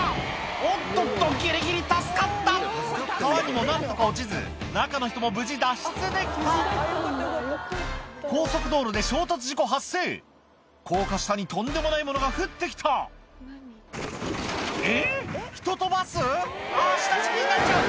おっとっとギリギリ助かった川にも何とか落ちず中の人も無事脱出できた高速道路で衝突事故発生高架下にとんでもないものが降って来たえぇ人とバス⁉あぁ下敷きになっちゃう！